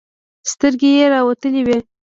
سترګې يې راوتلې وې.